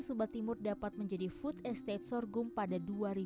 sumba timur dapat menjadi food estate sorghum pada dua ribu dua puluh